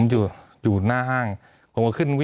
มีความรู้สึกว่ามีความรู้สึกว่า